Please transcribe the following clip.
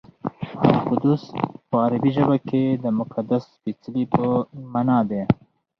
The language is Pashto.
القدس په عربي ژبه کې د مقدس سپېڅلي په مانا دی.